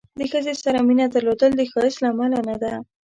د ښځې سره مینه درلودل د ښایست له امله نه ده.